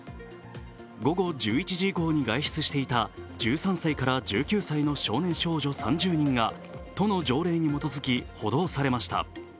午後１１時以降に外出していた１３歳から１９歳の少年少女３０人が都の条例に基づき、補導されました。